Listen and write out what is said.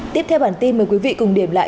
tiếp theo bản tin mời quý vị cùng điểm lại